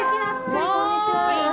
こんにちは。